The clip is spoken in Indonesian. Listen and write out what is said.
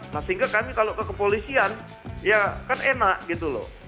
nah sehingga kami kalau ke kepolisian ya kan enak gitu loh